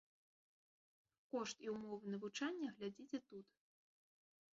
Кошт і ўмовы навучання глядзіце тут.